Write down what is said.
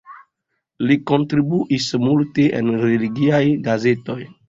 Li kontribuis multe en religiaj gazetoj.